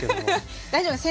大丈夫です。